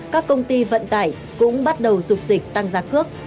các công ty vận tải cũng bắt đầu dục dịch tăng giá cước